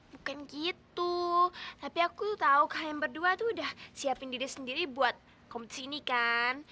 bukan gitu tapi aku tahu kalian berdua tuh udah siapin diri sendiri buat kompetisi ini kan